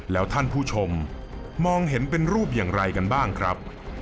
แล้วท่านผู้ชมมองเห็นเป็นรูปอย่างไรกันบ้างครับ